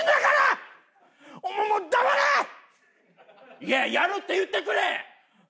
いや「やる」って言ってくれ！